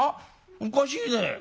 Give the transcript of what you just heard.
おかしいね。